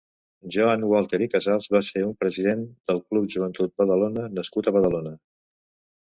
Joan Walter i Casals va ser un president del Club Joventut Badalona nascut a Badalona.